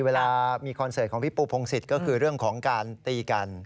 เวลามีคอนเสิร์ตของพี่ปูพงศิษย์ก็คือเรื่องของการตีกัน